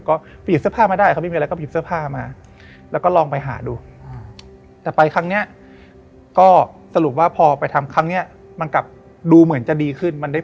ก็ฝีบเสื้อผ้ามาได้ไม่มีอะไร